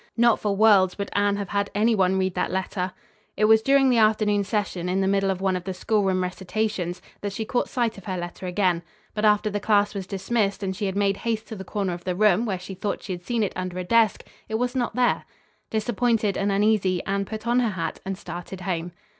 Not for worlds would Anne have had anyone read that letter. It was during the afternoon session, in the middle of one of the schoolroom recitations, that she caught sight of her letter again. But after the class was dismissed and she had made haste to the corner of the room, where she thought she had seen it under a desk, it was not there. Disappointed and uneasy Anne put on her hat and started home.